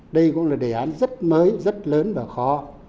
đây cũng là đề án rất mới rất lớn và khó